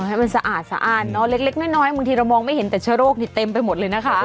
ให้มันสะอาดสะอ้านเนอะเล็กน้อยบางทีเรามองไม่เห็นแต่เชื้อโรคนี่เต็มไปหมดเลยนะคะ